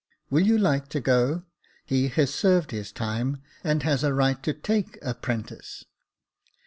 Will you like to go ? He has served his time, and has a right to take a 'prentice."